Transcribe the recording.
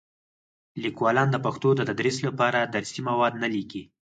لیکوالان د پښتو د تدریس لپاره درسي مواد نه لیکي.